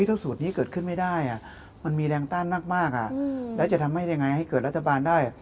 ถ้าสูตรนี้เกิดขึ้นไม่ได้มันมีแรงต้านมากแล้วจะทำให้ยังไงให้เกิดรัฐบาลได้